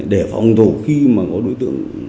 để phòng thủ khi mà có đối tượng